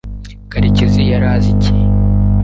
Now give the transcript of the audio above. karekezi yari azi iki